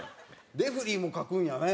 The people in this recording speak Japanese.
レフェリーも描くんやね。